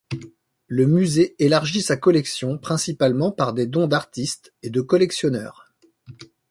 Le musée élargit sa collection principalement par des dons d'artistes et de collectionneurs.